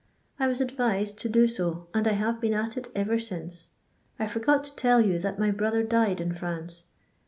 I was advised to do so, and I have been at it ever since. I forgot to toll you that my brother died in France.